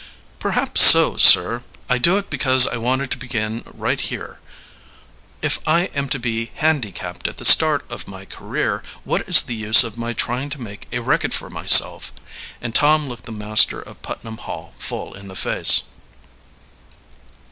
"Perhaps so, sir; and I do it because I want to begin right here. If I am to be handicapped at the start of my career, what is the use of my trying to make a record for myself?" and Tom looked the master of Putnam Hall full in the face.